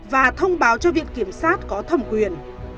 và thông báo cho viện kiểm sát có thẩm quyền